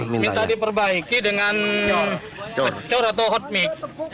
minta diperbaiki dengan cor atau hot meat